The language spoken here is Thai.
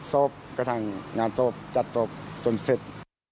ซ่อบกระทั่งงานซ่อบจัดซ่อบจนเสร็จ